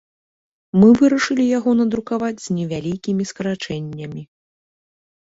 Мы вырашылі яго надрукаваць з невялікімі скарачэннямі.